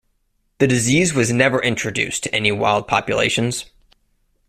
The disease was never introduced to any wild populations.